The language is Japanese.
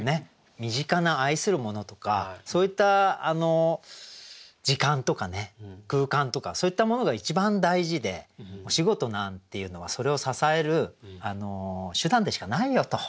身近な愛するものとかそういった時間とかね空間とかそういったものが一番大事でお仕事なんていうのはそれを支える手段でしかないよと。